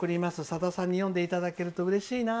さださんに読んでいただけるとうれしいな」。